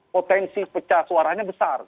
potensi pecah suaranya besar